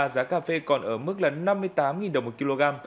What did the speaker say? giá cà phê còn ở mức là năm mươi tám đồng một kg